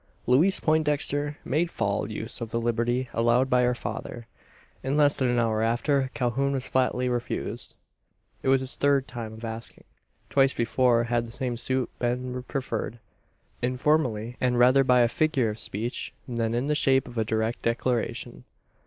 Louise Poindexter made fall use of the liberty allowed by her father. In less than an hour after, Calhoun was flatly refused. It was his third time of asking. Twice before had the same suit been preferred; informally, and rather by a figure of speech than in the shape of a direct declaration.